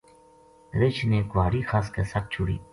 رچھ نے گُہاڑی خس کے سَٹ چھُڑی